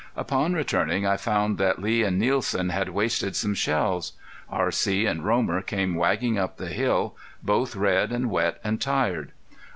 Upon returning I found that Lee and Nielsen had wasted some shells. R.C. and Romer came wagging up the hill, both red and wet and tired.